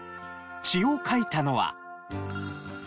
詩を書いたのは。